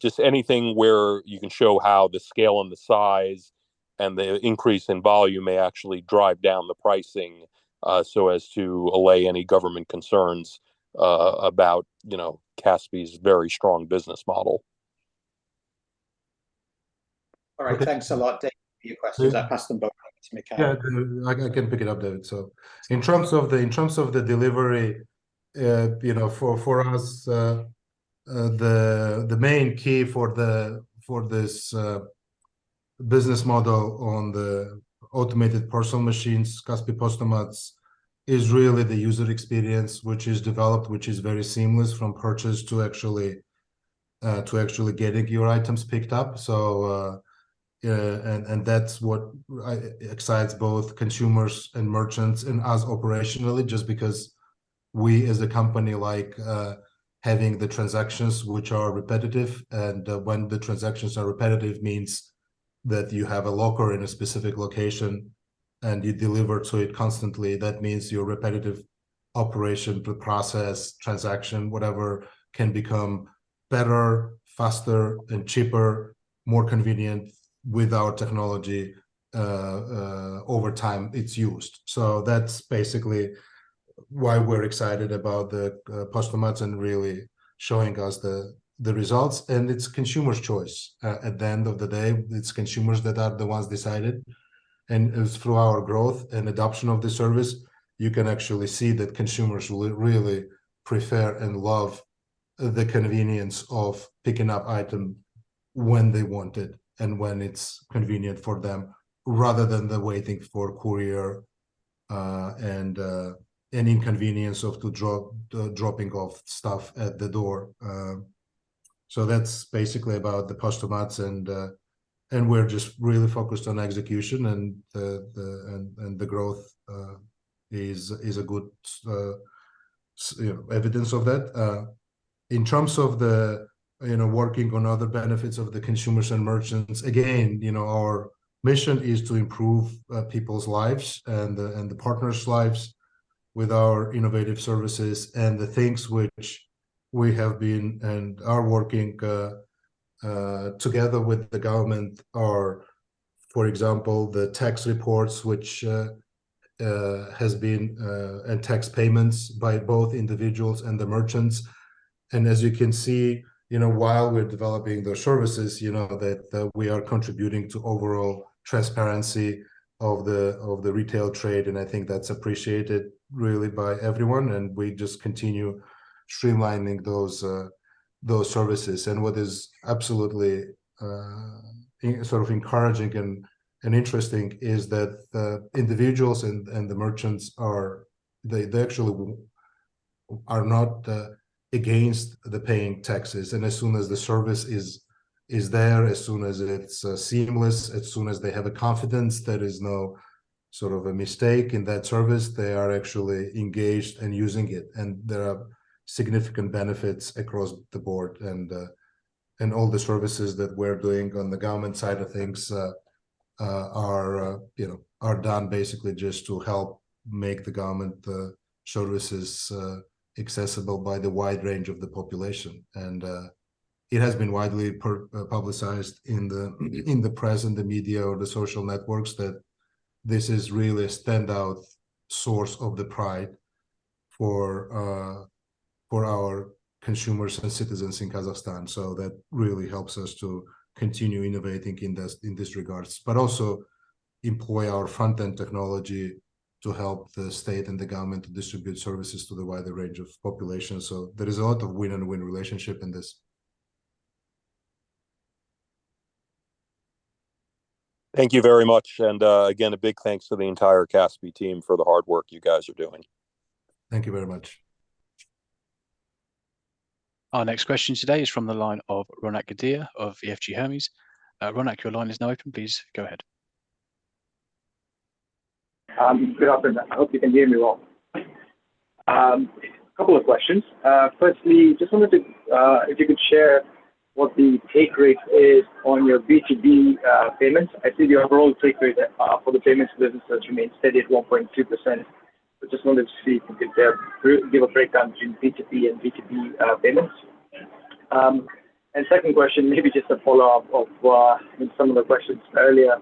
Just anything where you can show how the scale and the size and the increase in volume may actually drive down the pricing, so as to allay any government concerns about, you know, Kaspi's very strong business model? All right, thanks a lot, David, for your questions. I'll pass them back over to Mikheil. Yeah, I can pick it up, David. So in terms of the delivery, you know, for us, the main key for this business model on the automated parcel machines, Kaspi Postomats, is really the user experience, which is developed, which is very seamless from purchase to actually getting your items picked up. That's what excites both consumers and merchants and us operationally, just because we as a company like having the transactions which are repetitive, and when the transactions are repetitive means that you have a locker in a specific location, and you deliver to it constantly. That means your repetitive operation to process transaction, whatever, can become better, faster, and cheaper, more convenient with our technology, over time it's used. So that's basically why we're excited about the Postomats and really showing us the results and it's consumers' choice. At the end of the day, it's consumers that are the ones decided, and it's through our growth and adoption of the service, you can actually see that consumers really prefer and love the convenience of picking up item when they want it and when it's convenient for them, rather than the waiting for courier and an inconvenience of dropping off stuff at the door. So that's basically about the Postomats and we're just really focused on execution and the growth is a good, you know, evidence of that. In terms of the, you know, working on other benefits of the consumers and merchants, again, you know, our mission is to improve people's lives and the partners' lives with our innovative services and the things which we have been and are working together with the government are, for example, the tax reports, which has been and tax Payments by both individuals and the merchants. As you can see, you know, while we're developing those services, you know, that we are contributing to overall transparency of the retail trade, and I think that's appreciated really by everyone, and we just continue streamlining those services. What is absolutely sort of encouraging and interesting is that the individuals and the merchants are... They actually are not against the paying taxes, and as soon as the service is there, as soon as it's seamless, as soon as they have a confidence there is no sort of a mistake in that service, they are actually engaged and using it and there are significant benefits across the board, and all the services that we're doing on the government side of things are, you know, are done basically just to help make the government services accessible by the wide range of the population. It has been widely publicized in the press and the media or the social networks, that this is really a standout source of the pride for our consumers and citizens in Kazakhstan. So that really helps us to continue innovating in this, in this regards, but also employ our front-end technology to help the state and the government to distribute services to the wider range of population. So there is a lot of win and win relationship in this. Thank you very much, and, again, a big thanks to the entire Kaspi team for the hard work you guys are doing. Thank you very much. Our next question today is from the line of Ronak Gadhia of EFG Hermes. Ronak, your line is now open. Please go ahead. Good afternoon. I hope you can hear me well. A couple of questions. Firstly, just wanted to, if you could share what the take rate is on your B2B Payments. I see your overall take rate for the Payments business has remained steady at 1.2%. I just wanted to see if you could give a breakdown between B2B and B2B Payments. Second question, maybe just a follow-up of in some of the questions earlier.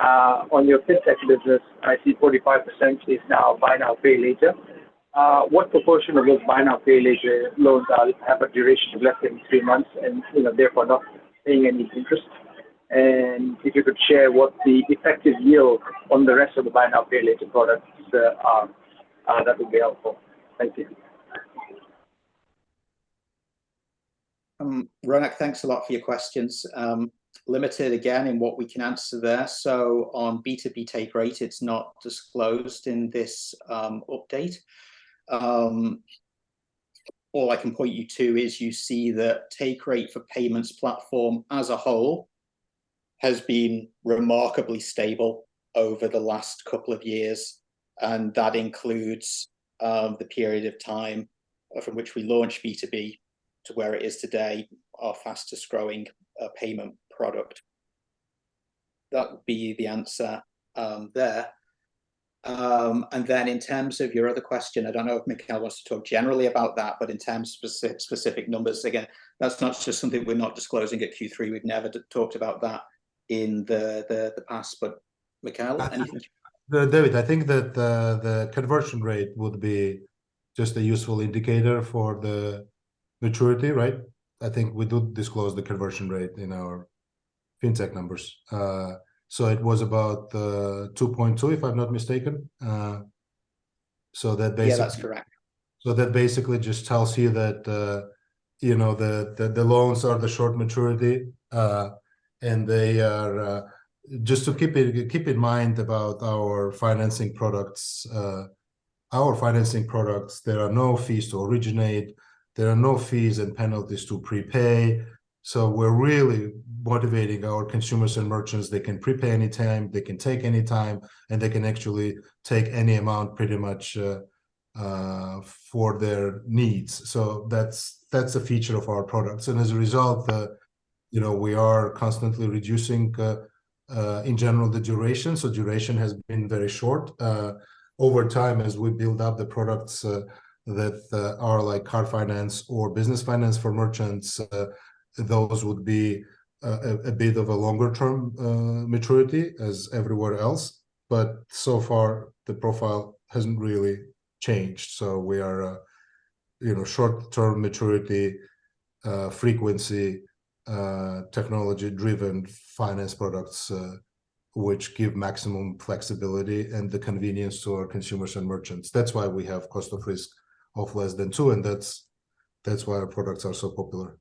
On your Fintech business, I see 45% is now buy now, pay later. What proportion of those buy now, pay later loans have a duration of less than three months and, you know, therefore, not paying any interest? If you could share what the effective yield on the rest of the Buy Now, Pay Later products are, that would be helpful. Thank you. Ronak, thanks a lot for your questions. Limited again in what we can answer there. So on B2B take rate, it's not disclosed in this update. All I can point you to is you see the take rate for Payments platform as a whole has been remarkably stable over the last couple of years, and that includes the period of time from which we launched B2B to where it is today, our fastest-growing payment product. That would be the answer there. Then in terms of your other question, I don't know if Mikheil wants to talk generally about that, but in terms of specific numbers, again, that's not just something we're not disclosing at Q3, we've never talked about that in the past. But Mikheil, anything? David, I think that, the conversion rate would be just a useful indicator for the maturity, right? I think we do disclose the conversion rate in our Fintech numbers. So it was about, 2.2, if I'm not mistaken. So that basically- Yeah, that's correct. So that basically just tells you that, you know, the loans are the short maturity and they are just to keep in mind about our financing products. Our financing products, there are no fees to originate, there are no fees and penalties to prepay, so we're really motivating our consumers and merchants. They can prepay any time, they can take any time, and they can actually take any amount pretty much for their needs. So that's a feature of our products, and as a result, you know, we are constantly reducing in general the duration. So duration has been very short. Over time, as we build up the products, that are like car finance or business finance for merchants, those would be a bit of a longer term maturity as everywhere else, but so far, the profile hasn't really changed. So we are a, you know, short-term maturity, frequency, technology-driven finance products, which give maximum flexibility and the convenience to our consumers and merchants. That's why we have cost of risk of less than two, and that's, that's why our products are so popular.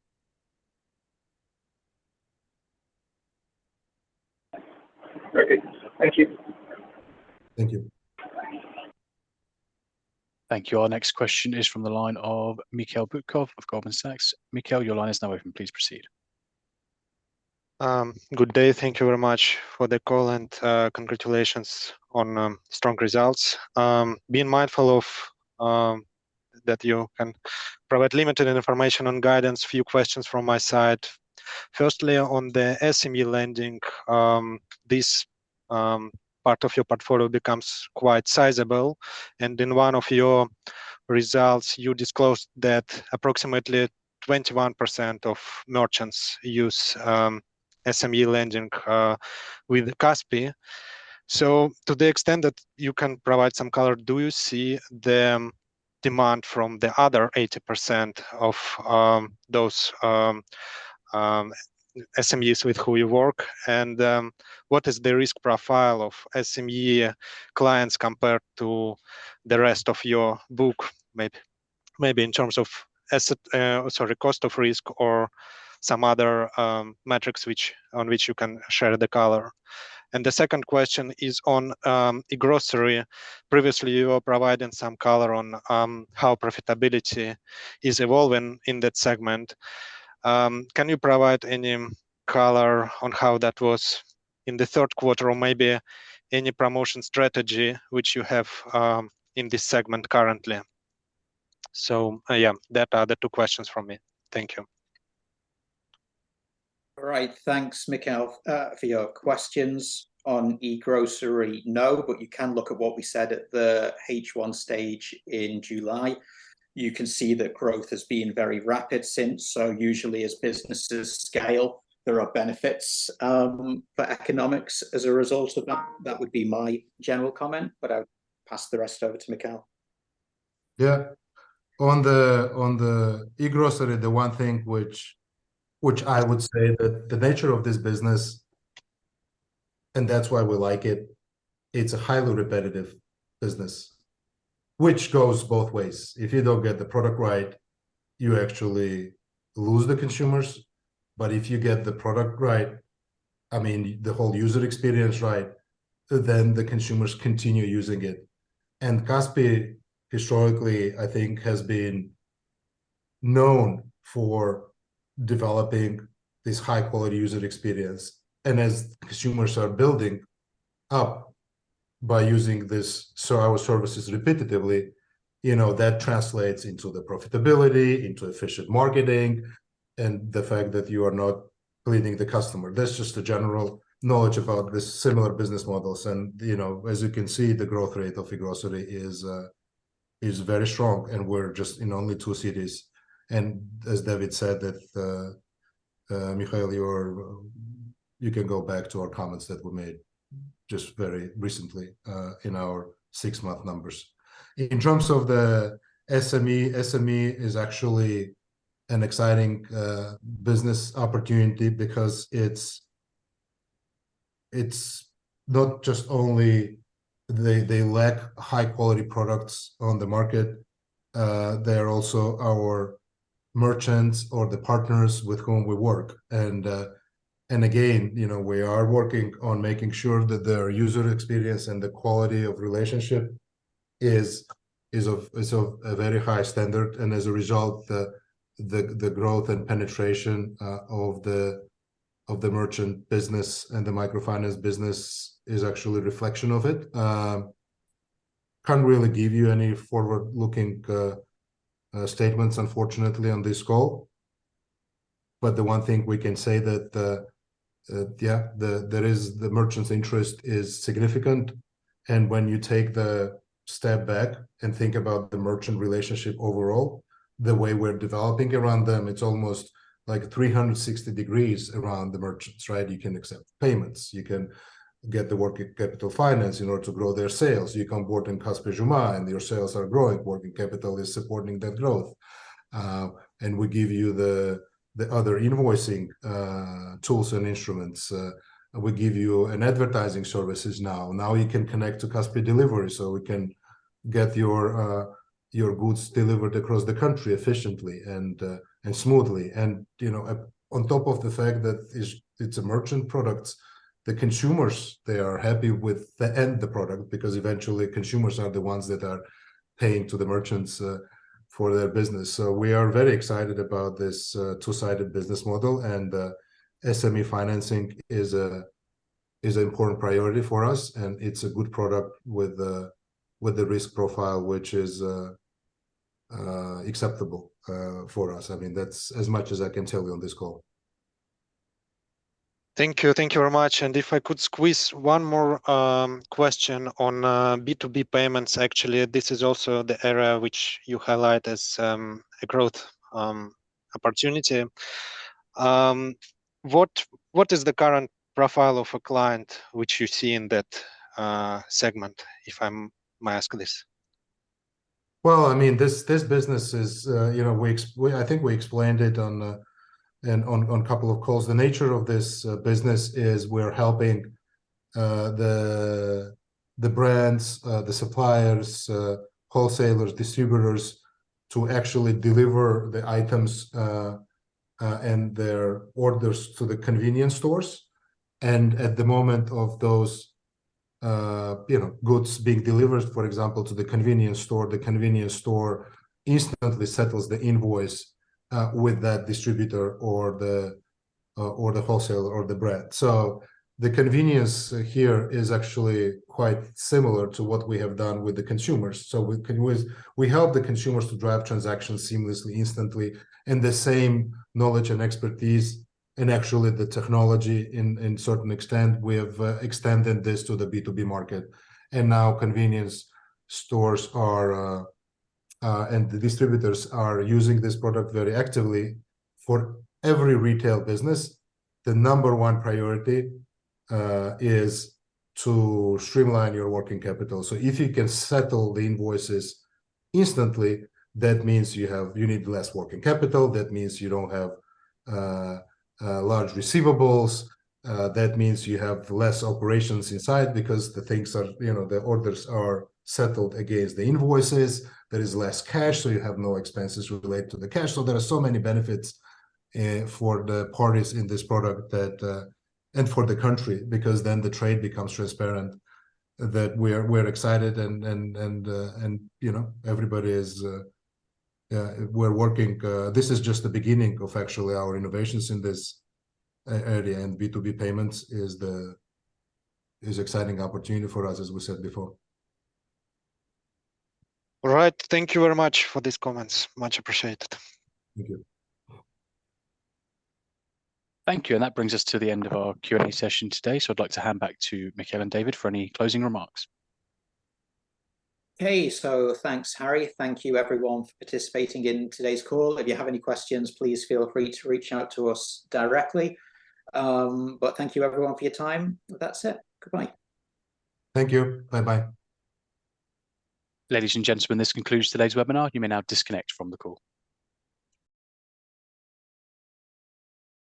Okay. Thank you. Thank you. Thank you. Our next question is from the line of Mikhail Butkov of Goldman Sachs. Mikhail, your line is now open. Please proceed. Good day. Thank you very much for the call, and congratulations on strong results. Being mindful of that you can provide limited information on guidance, a few questions from my side. Firstly, on the SME lending, this part of your portfolio becomes quite sizable, and in one of your results, you disclosed that approximately 21% of merchants use SME lending with Kaspi. So to the extent that you can provide some color, do you see the demand from the other 80% of those SMEs with who you work and what is the risk profile of SME clients compared to the rest of your book? Maybe in terms of asset... Sorry, cost of risk or some other metrics on which you can share the color. The second question is on e-Grocery. Previously, you were providing some color on how profitability is evolving in that segment. Can you provide any color on how that was in the third quarter, or maybe any promotion strategy which you have in this segment currently? So, yeah, that are the two questions from me. Thank you. All right. Thanks, Mikhail, for your questions. On e-Grocery, no, but you can look at what we said at the H1 stage in July. You can see that growth has been very rapid since, so usually as businesses scale, there are benefits for economics as a result of that. That would be my general comment, but I'll pass the rest over to Mikheil. Yeah. On the e-Grocery, the one thing which I would say that the nature of this business, and that's why we like it, it's a highly repetitive business, which goes both ways. If you don't get the product right, you actually lose the consumers, but if you get the product right, I mean, the whole user experience right, then the consumers continue using it. Kaspi, historically, I think, has been known for developing this high-quality user experience. As consumers are building up by using this, so our services repetitively, you know, that translates into the profitability, into efficient marketing, and the fact that you are not bleeding the customer. That's just a general knowledge about the similar business models, and, you know, as you can see, the growth rate of e-Grocery is very strong, and we're just in only two cities. As David said, that, Mikhail, you can go back to our comments that were made just very recently, in our six-month numbers. In terms of the SME, SME is actually an exciting business opportunity because it's not just only they, they lack high-quality products on the market, they are also our merchants or the partners with whom we work. Again, you know, we are working on making sure that their user experience and the quality of relationship is of a very high standard. And as a result, the growth and penetration, of the merchant business and the microfinance business is actually a reflection of it. Can't really give you any forward-looking statements unfortunately on this call. But the one thing we can say that the merchant's interest is significant, and when you take the step back and think about the merchant relationship overall, the way we're developing around them, it's almost like 360 degrees around the merchants, right? You can accept Payments, you can get the working capital finance in order to grow their sales. You can board in Kaspi Zhuma, and your sales are growing, working capital is supporting that growth, and we give you the other invoicing tools and instruments. We give you an advertising services now. Now you can connect to Kaspi Delivery, so we can get your goods delivered across the country efficiently and smoothly. You know, on top of the fact that it's a merchant products, the consumers, they are happy with the end the product, because eventually consumers are the ones that are paying to the merchants for their business. So we are very excited about this two-sided business model, and SME financing is an important priority for us, and it's a good product with the risk profile, which is acceptable for us. I mean, that's as much as I can tell you on this call. Thank you. Thank you very much, and if I could squeeze one more question on B2B Payments. Actually, this is also the area which you highlight as a growth opportunity. What is the current profile of a client which you see in that segment, if I may ask this? Well, I mean, this business is, you know, we... I think we explained it on couple of calls. The nature of this business is we're helping the brands, the suppliers, wholesalers, distributors, to actually deliver the items and their orders to the convenience stores. At the moment of those, you know, goods being delivered, for example, to the convenience store, the convenience store instantly settles the invoice with that distributor or the wholesaler or the brand. So the convenience here is actually quite similar to what we have done with the consumers. So we help the consumers to drive transactions seamlessly, instantly, and the same knowledge and expertise, and actually the technology in certain extent, we have extended this to the B2B market. Now convenience stores are, and the distributors are using this product very actively. For every retail business, the number one priority is to streamline your working capital. So if you can settle the invoices instantly, that means you have... You need less working capital, that means you don't have large receivables. That means you have less operations inside, because the things are, you know, the orders are settled against the invoices. There is less cash, so you have no expenses related to the cash. So there are so many benefits for the parties in this product that, and for the country, because then the trade becomes transparent, that we're excited and, you know, everybody is, we're working. This is just the beginning of actually our innovations in this area, and B2B Payments is the exciting opportunity for us, as we said before. All right. Thank you very much for these comments. Much appreciated. Thank you. Thank you, and that brings us to the end of our Q&A session today. I'd like to hand back to Mikheil and David for any closing remarks. Okay. Thanks, Harry. Thank you everyone for participating in today's call. If you have any questions, please feel free to reach out to us directly, but thank you everyone for your time. That's it. Goodbye. Thank you. Bye-bye. Ladies and gentlemen, this concludes today's webinar. You may now disconnect from the call.